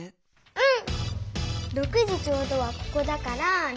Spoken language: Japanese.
うん。